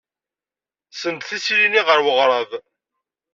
Senndet isili-nni ɣer uɣrab.